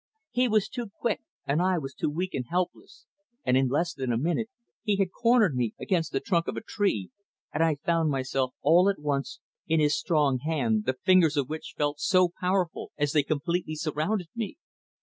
He was too quick, and I was too weak and helpless, and in less than a minute he had "cornered me" against the trunk of a tree, and I found myself all at once in his strong hand, the fingers of which felt so powerful as they completely surrounded me.